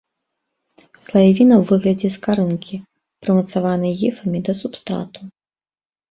Слаявіна ў выглядзе скарынкі, прымацаванай гіфамі да субстрату.